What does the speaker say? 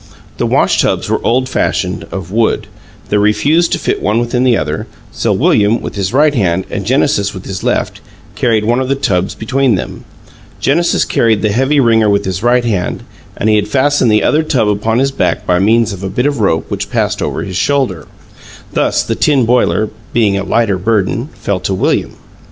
The wash tubs were old fashioned, of wood; they refused to fit one within the other; so William, with his right hand, and Genesis, with his left, carried one of the tubs between them; Genesis carried the heavy wringer with his right hand, and he had fastened the other tub upon his back by means of a bit of rope which passed over his shoulder; thus the tin boiler, being a lighter burden, fell to William.